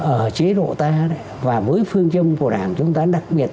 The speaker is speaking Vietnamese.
ở chế độ ta và với phương châm của đảng chúng ta đặc biệt